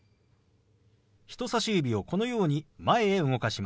人さし指をこのように前へ動かします。